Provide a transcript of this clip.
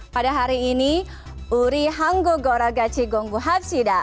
pada hari ini uri hanggo gora gachi gonggu hapsida